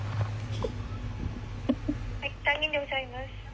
はい、参議院でございます。